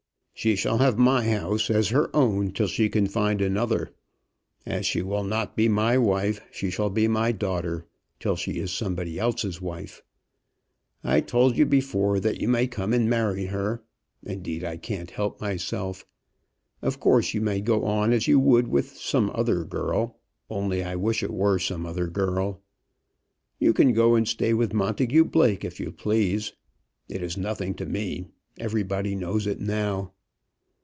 "She shall have my house as her own till she can find another. As she will not be my wife, she shall be my daughter, till she is somebody else's wife." "I told you before that you may come and marry her. Indeed I can't help myself. Of course you may go on as you would with some other girl; only I wish it were some other girl. You can go and stay with Montagu Blake, if you please. It is nothing to me. Everybody knows it now."